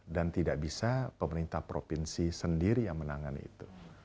dan tidak bisa pemerintah provinsi sendiri yang menangani itu